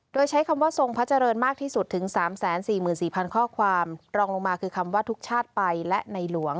โดยใช้คำว่าทรงพระเจริญมากที่สุดถึง๓๔๔๐๐ข้อความรองลงมาคือคำว่าทุกชาติไปและในหลวง